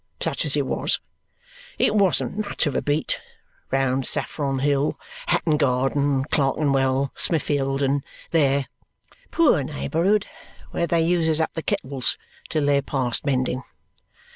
Such as it was. It wasn't much of a beat round Saffron Hill, Hatton Garden, Clerkenwell, Smiffeld, and there poor neighbourhood, where they uses up the kettles till they're past mending.